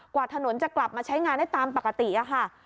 กว่าถนนจะกลับมาใช้งานได้ตามปกติค่ะ